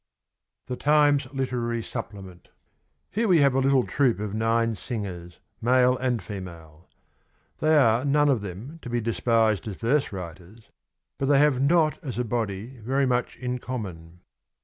THE TIMES LITERARY SUPPLEMENT. Here we have a little troupe of nine singers, male and female. ... They are none of them to be despised as verse writers ; but they have not as a body very much in common.